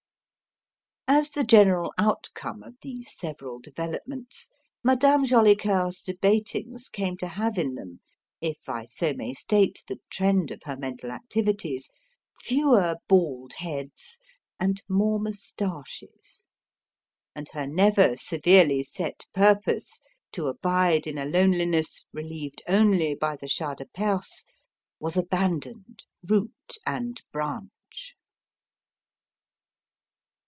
As the general outcome of these several developments, Madame Jolicoeur's debatings came to have in them if I so may state the trend of her mental activities fewer bald heads and more moustaches; and her never severely set purpose to abide in a loneliness relieved only by the Shah de Perse was abandoned root and branch.